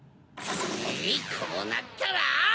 えいこうなったら！